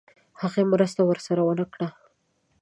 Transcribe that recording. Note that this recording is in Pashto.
هغه مرستې ورسره ونه کړې.